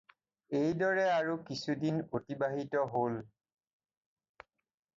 এইদৰে আৰু কিছুদিন অতিবাহিত হ'ল।